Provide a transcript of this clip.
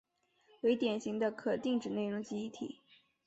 为典型的可定址内容记忆体。